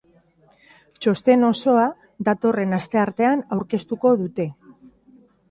Txosten osoa datorren asteartean aurkeztuko dute.